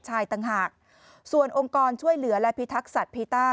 ต่างหากส่วนองค์กรช่วยเหลือและพิทักษัตว์พีต้า